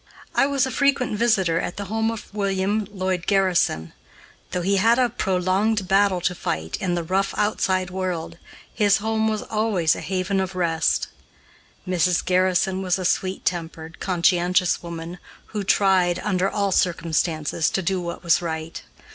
I was a frequent visitor at the home of William Lloyd Garrison. Though he had a prolonged battle to fight in the rough outside world, his home was always a haven of rest. Mrs. Garrison was a sweet tempered, conscientious woman, who tried, under all circumstances, to do what was right.